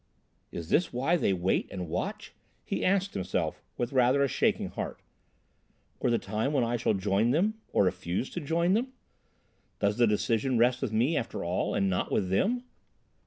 "Is this why they wait and watch?" he asked himself with rather a shaking heart, "for the time when I shall join them—or refuse to join them? Does the decision rest with me after all, and not with them?"